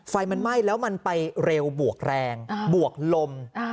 ไฟมันไหม้แล้วมันไปเร็วบวกแรงบวกลม